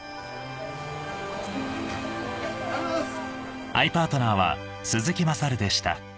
ありがとうございます！